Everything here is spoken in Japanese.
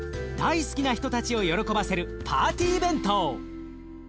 大好きな人たちを喜ばせるパーティー弁当。